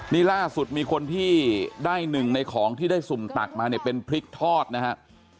นี่ล่าสุดมีคนที่ได้หนึ่งในของที่ได้สุ่มตักมาเนี่ยเป็นพริกทอดนะครับ